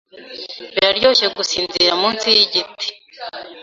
Biraryoshe gusinzira munsi yigiti.